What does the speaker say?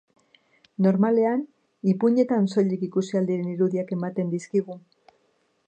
Normalean, ipuinetan soilik ikusi ahal diren irudiak ematen dizkigu.